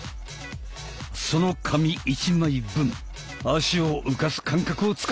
その紙１枚分足を浮かす感覚をつかんでいこう。